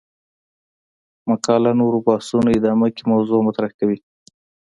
مقاله نورو بحثونو ادامه کې موضوع مطرح کوي.